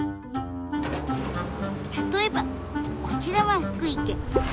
例えばこちらは福井県。